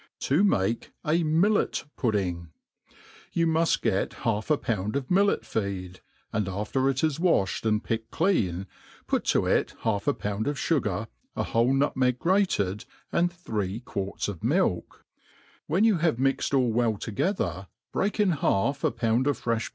To make a MilUuPudding. YOU mufl get half a pound of millet feed, and after it is ivaihed and picked clean, put to it half a pound of fugar, z^ Vhole nutmeg grated, and three quarts of milk» When you P 4 , have \ 2x6 THE ART OF CQOKERY have mixed! all well together, brealc in half a pound of freft